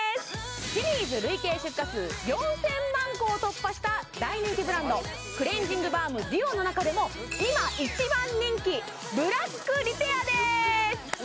シリーズ累計出荷数４０００万個を突破した大人気ブランドクレンジングバームＤＵＯの中でも今一番人気ブラックリペアです